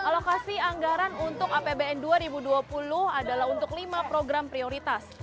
alokasi anggaran untuk apbn dua ribu dua puluh adalah untuk lima program prioritas